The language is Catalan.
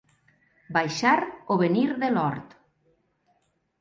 Baixar o venir de l'hort.